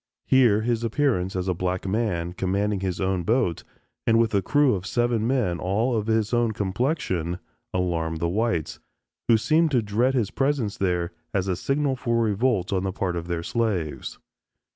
Here his appearance as a black man commanding his own boat and with a crew of seven men all of his own complexion, alarmed the whites, who seemed to dread his presence there as the signal for a revolt on the part of their slaves.